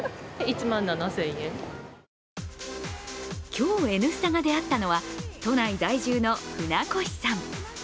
今日、「Ｎスタ」が出会ったのは都内在住の船越さん。